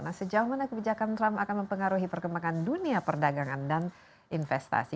nah sejauh mana kebijakan trump akan mempengaruhi perkembangan dunia perdagangan dan investasi